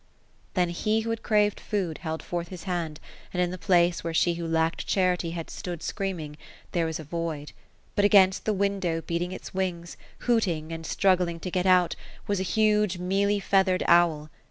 Then He who had craved food^ held forth his hand ; and, in the place where she who lacked charity had stood scream ing, there was avoid; but against the window, beating its wings, hoot ing, and struggling to get out, was a huge mealy feathered owl.